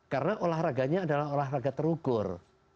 karena olahraganya adalah olahraga terukur